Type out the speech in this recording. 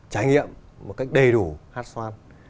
trải nghiệm một cách đầy đủ hát xoan